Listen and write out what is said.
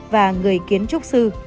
và người kiến trúc sư